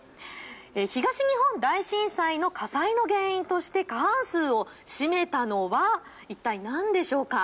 東日本大震災の火災の原因として過半数を占めたのは一体、何でしょうか。